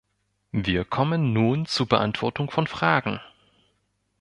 Wir kommen nun zur Beantwortung von Fragen.